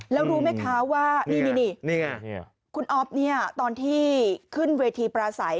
แล้วรู้ไหมคะว่านี่คุณอ๊อฟเนี่ยตอนที่ขึ้นเวทีปราศัย